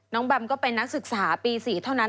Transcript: แบมก็เป็นนักศึกษาปี๔เท่านั้น